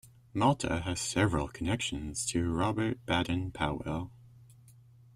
Malta has several connections to Robert Baden-Powell.